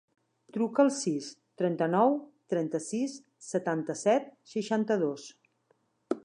Truca al sis, trenta-nou, trenta-sis, setanta-set, seixanta-dos.